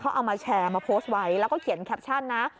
เขาเอามาแชร์มาโพสต์ไว้แล้วก็เขียนแคปชั่นนะ